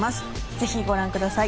ぜひご覧ください。